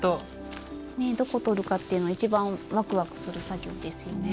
ねえどこ取るかっていうのが一番ワクワクする作業ですよね。